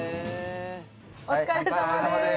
お疲れさまです。